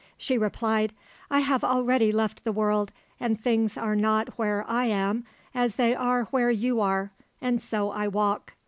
She replied, "I have already left the world, and things are not where I am as they are where you are, and so I walk."